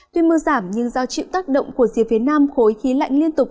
tuy mưa giảm nhưng do chịu tác động của rìa phía nam khối khí lạnh liên tục